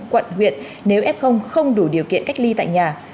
quận huyện nếu f không đủ điều kiện cách ly tại nhà